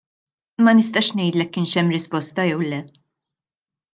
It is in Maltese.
Ma nistax ngħidlek kienx hemm risposta jew le.